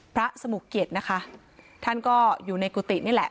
พระสมุกเกียรตินะคะท่านก็อยู่ในกุฏินี่แหละ